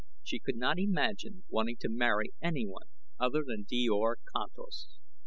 She could not imagine wanting to marry anyone other than Djor Kantos.